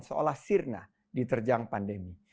seolah sirna diterjang pandemi